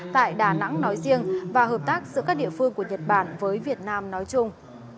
tại đà nẵng nói riêng và hợp tác giữa các địa phương của nhật bản với việt nam nói chung